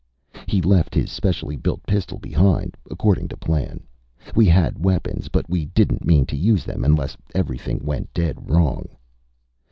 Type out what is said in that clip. He left his specially built pistol behind, according to plan. We had weapons, but we didn't mean to use them unless everything went dead wrong.